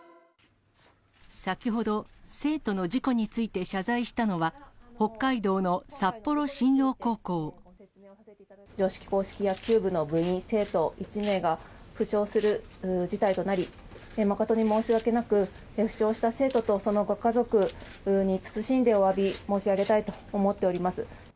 先ほど、生徒の事故について謝罪したのは、女子硬式野球部の部員生徒１名が、負傷する事態となり、誠に申し訳なく、負傷した生徒とそのご家族に謹んでおわび申し上げたいと思っております。